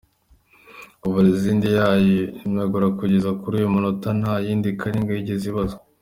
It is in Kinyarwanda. Kuva Lizinde yayimenagura kugeza kuruyu munota nta yindi Kalinga yigeze ibazwa.